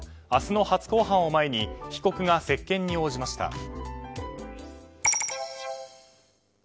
明日の初公判を前に被告が接見に応じました。